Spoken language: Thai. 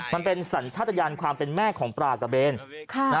มันเป็นสัญชาติยานความเป็นแม่ของปลากระเบน